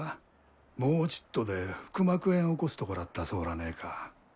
もうちっとで腹膜炎起こすとこらったそうらねえか。